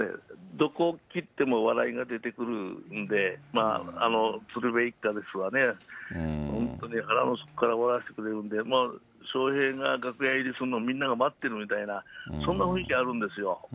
どこを切っても笑いが出てくるんで、鶴瓶一派ですわね、本当に腹の底から笑わせてくれるんで、笑瓶が楽屋入りするのをみんなが待ってるみたいな、そんな雰囲気あるんですよ。